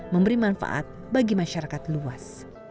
memberi manfaat bagi masyarakat luas